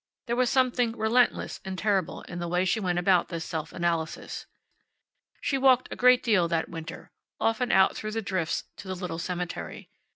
There was something relentless and terrible in the way she went about this self analysis. She walked a great deal that winter, often out through the drifts to the little cemetery.